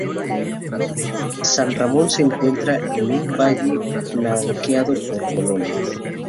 San Ramón se encuentra en un valle flanqueado por colinas.